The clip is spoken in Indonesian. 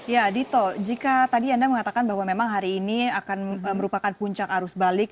ya dito jika tadi anda mengatakan bahwa memang hari ini akan merupakan puncak arus balik